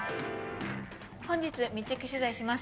本日密着取材します。